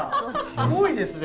すごいですね。